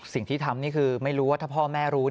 สิ่งที่ทำนี่คือไม่รู้ว่าถ้าพ่อแม่รู้